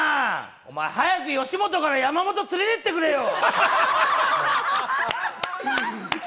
お前、早く吉本から山本連れてってくれよ。